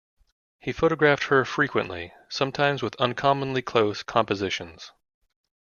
He photographed her frequently, sometimes with uncommonly close compositions.